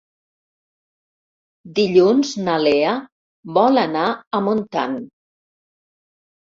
Dilluns na Lea vol anar a Montant.